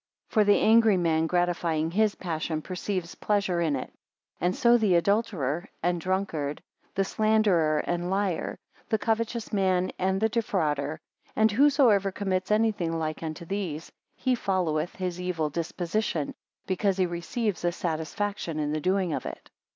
40 For the angry man, gratifying his passion, perceives pleasure in it; and so the adulterer, and drunkard; the slanderer and liar; the covetous man and the defrauder; and whosoever commits anything like unto these, he followeth his evil disposition, because he receives a satisfaction in the doing of it.